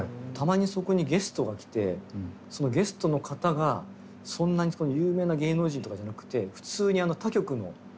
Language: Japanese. たまにそこにゲストが来てそのゲストの方がそんなに有名な芸能人とかじゃなくて普通に他局の。